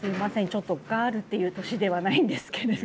ちょっとガールっていう年ではないんですけれど。